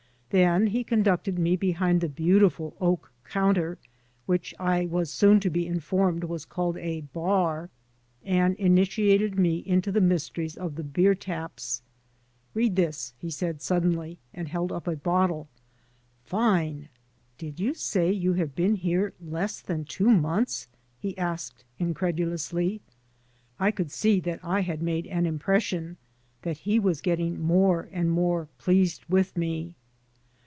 Then he conducted me behind the beautiful oak counter — which I was soon to be informed was called a bar — ^and initiated me into the mysteries of the beer taps. " Read this," he said, suddenly, and held up a bottle. "Fine! Did you say you have been here less than two months? " he asked, incredulously. I could see that I had made an impression, that he was getting more and more pleased with me.